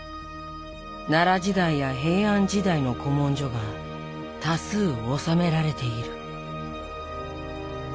奈良時代や平安時代の古文書が多数納められている。